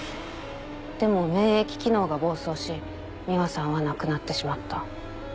でも免疫機能が暴走し美羽さんは亡くなってしまった。